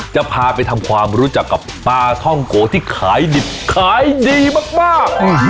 จะพาไปทำความรู้จักกับปลาท่องโกที่ขายดิบขายดีมาก